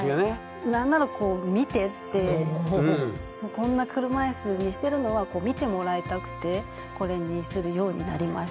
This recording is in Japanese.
こんな車いすにしてるのは見てもらいたくてこれにするようになりましたね。